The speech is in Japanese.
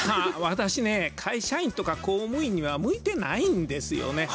私ね会社員とか公務員には向いてないんですよね。